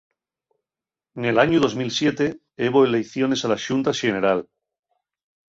Nel añu dos mil siete hebo eleiciones a la Xunta Xeneral.